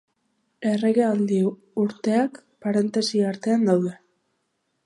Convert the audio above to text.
Erregealdi urteak, parentesi artean daude.